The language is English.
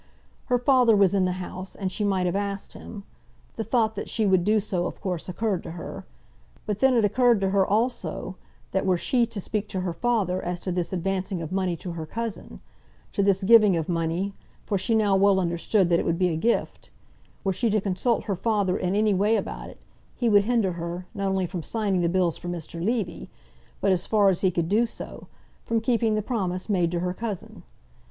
Her father was in the house, and she might have asked him. The thought that she would do so of course occurred to her. But then it occurred to her also that were she to speak to her father as to this advancing of money to her cousin, to this giving of money, for she now well understood that it would be a gift; were she to consult her father in any way about it, he would hinder her, not only from signing the bills for Mr. Levy, but, as far as he could do so, from keeping the promise made to her cousin.